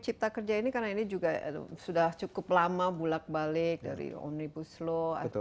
cipta kerja ini karena ini juga sudah cukup lama bulat balik dari omnibus law atau